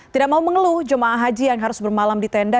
tidak mau mengeluh jemaah haji yang harus bermalam di tenda